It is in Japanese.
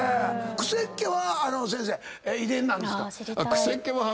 くせっ毛は先生遺伝なんですか？